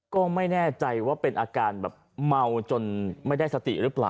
ก็ไม่แน่ใจว่าเป็นอาการแบบเมาจนไม่ได้สติหรือเปล่า